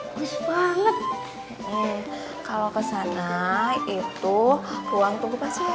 udah banget kalau kesana itu uang recognize